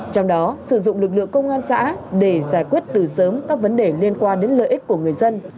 trong đó sử dụng lực lượng công an xã để giải quyết từ sớm các vấn đề liên quan đến lợi ích của người dân